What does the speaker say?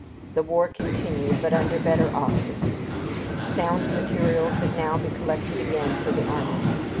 The war continued, but under better auspices. Sound material could now be collected again for the army.